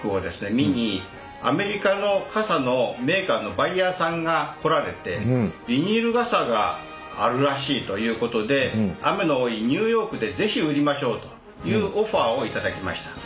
見にアメリカの傘のメーカーのバイヤーさんが来られてビニール傘があるらしいということで「雨の多いニューヨークでぜひ売りましょう！」というオファーを頂きました。